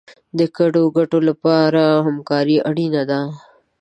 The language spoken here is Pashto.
د ګډو ګټو لپاره همکاري اړینه ده.